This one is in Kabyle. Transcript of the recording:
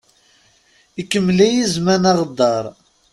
Ikemmel-iyi zman aɣeddaṛ.